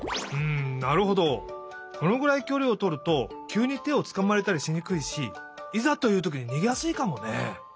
このぐらいきょりをとるときゅうにてをつかまれたりしにくいしいざというときににげやすいかもね。